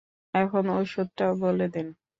এখন ঔষধটাও বলে দেন।